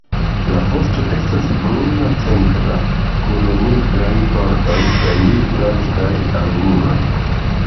La vosto estas bruna centre, kun nigraj bordoj kaj blankaj anguloj.